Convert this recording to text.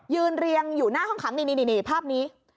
เรียงอยู่หน้าห้องขังนี่ภาพนี้